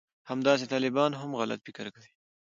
همداسې طالبان هم غلط فکر کوي